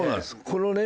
このね